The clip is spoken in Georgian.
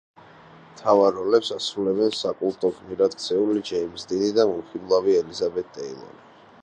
მთავარ როლებს ასრულებენ საკულტო გმირად ქცეული ჯეიმზ დინი და მომხიბლავი ელიზაბეთ ტეილორი.